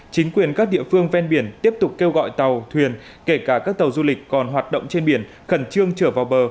chính quyền các địa phương ven biển tiếp tục kêu gọi tàu thuyền kể cả các tàu du lịch còn hoạt động trên biển khẩn trương trở vào bờ